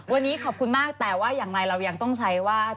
วันนี้ขอบคุณมากแต่ว่าอย่างไรเรายังต้องใช้ว่า